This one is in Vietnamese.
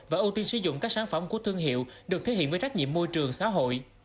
và ưu tiên sử dụng các sản phẩm của thương hiệu được thiết hiện với trách nhiệm môi trường xã hội